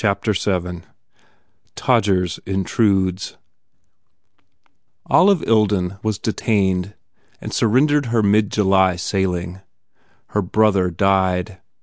169 VII Todgers Intrudes OLIVE ILDEN was detained and surren dered her mid July sailing. Her brother died.